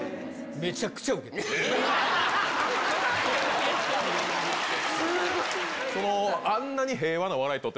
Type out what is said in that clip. めちゃくちゃウケた。